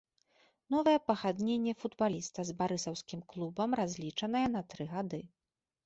Новае пагадненне футбаліста з барысаўскім клубам разлічанае на тры гады.